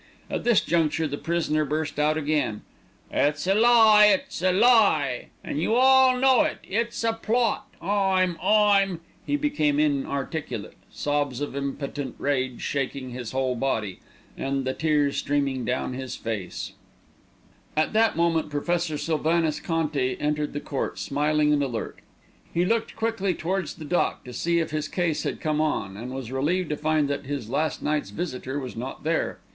At this juncture the prisoner burst out again: "It's a lie, it's a lie, an' you all know it! It's a plot! I'm I'm " He became inarticulate, sobs of impotent rage shaking his whole body, and the tears streaming down his face. At that moment Professor Sylvanus Conti entered the court, smiling and alert. He looked quickly towards the dock to see if his case had come on, and was relieved to find that his last night's visitor was not there.